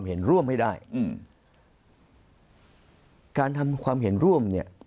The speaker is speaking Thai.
มุมนักวิจักรการมุมประชาชนทั่วไป